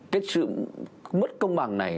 cái sự mất công bằng này